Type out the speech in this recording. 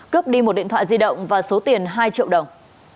cướp đi một điện thoại di động và số tiền hai triệu đồng